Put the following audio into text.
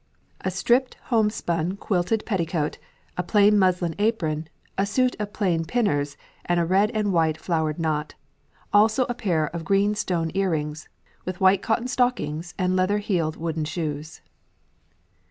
A Stript Home spun quilted petticoat, a plain muslin Apron, a suit of plain Pinners and a red and white flowered knot, also a pair of green stone earrings, with white cotton stockings and leather heel'd wooden shoes."